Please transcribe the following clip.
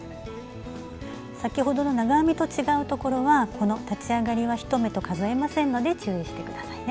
先ほどの長編みと違うところはこの立ち上がりは１目と数えませんので注意して下さいね。